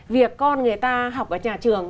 việc con người ta học ở nhà trường